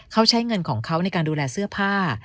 เขาใช้เงินของเขาในการดูแลเสื้อผ้า